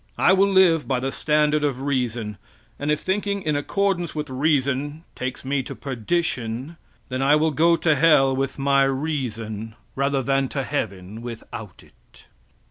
I will live by the standard of reason, and if thinking in accordance with reason takes me to perdition, then I will go to hell with my reason, rather than to heaven without it.)